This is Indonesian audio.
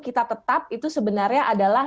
kita tetap itu sebenarnya adalah